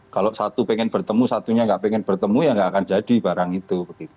kalau satu pengen bertemu satunya nggak pengen bertemu ya nggak akan jadi barang itu